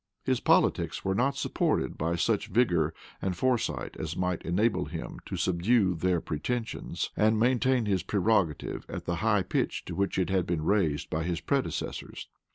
His politics were not supported by such vigor and foresight as might enable him to subdue their pretensions, and maintain his prerogative at the high pitch to which it had been raised by his predecessors.